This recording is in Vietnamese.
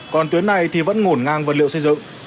còn tuyến này thì vẫn ngổn ngang vật liệu xây dựng